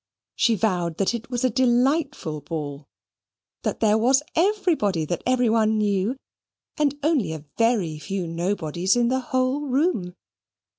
She vowed that it was a delightful ball; that there was everybody that every one knew, and only a VERY few nobodies in the whole room.